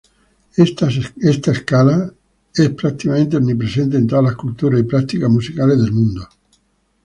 Esta escalas son prácticamente omnipresentes en todas las culturas y prácticas musicales del mundo.